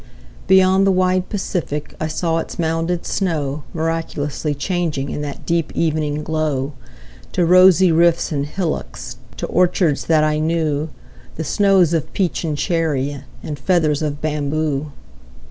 Beyond the wide Pacific I saw its mounded snow Miraculously changing In that deep evening glow, To rosy rifts and hillocks, To orchards that I knew, The snows or peach and cherry, And feathers of bamboo.